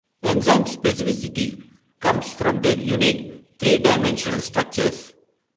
Enzymes' specificity comes from their unique three-dimensional structures.